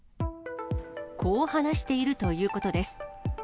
こう話しているということです。